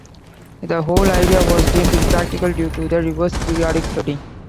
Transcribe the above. The whole idea was deemed impractical due to the river's periodic flooding.